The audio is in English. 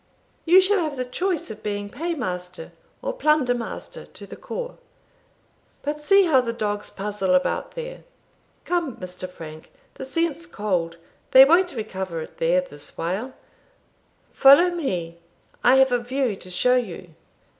"You shall have the choice of being pay master, or plunder master, to the corps. But see how the dogs puzzle about there. Come, Mr. Frank, the scent's cold; they won't recover it there this while; follow me, I have a view to show you."